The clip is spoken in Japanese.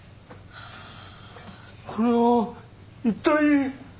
これは一体？